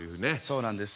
そうなんです。